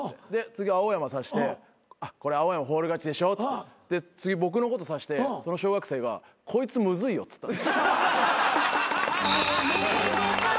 次青山指して「これ青山フォール勝ちでしょ」で次僕のこと指してその小学生が「こいつむずいよ」っつった。